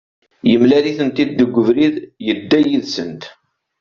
Yemlal-itent-id deg ubrid, yedda yid-sent